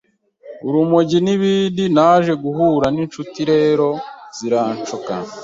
urumogi n’ibindi, naje guhura n’inshuti rero ziranshuka